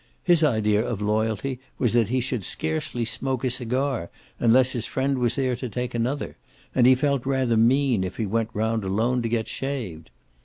His idea of loyalty was that he should scarcely smoke a cigar unless his friend was there to take another, and he felt rather mean if he went round alone to get shaved.